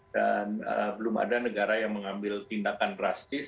dan belum ada negara yang mengambil tindakan drastis